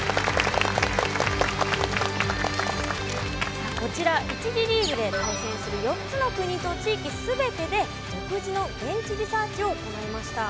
さあこちら１次リーグで対戦する４つの国と地域全てで独自の現地リサーチを行いました。